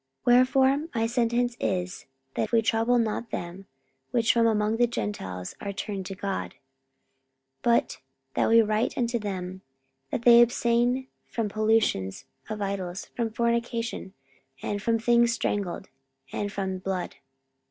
44:015:019 Wherefore my sentence is, that we trouble not them, which from among the Gentiles are turned to God: 44:015:020 But that we write unto them, that they abstain from pollutions of idols, and from fornication, and from things strangled, and from blood.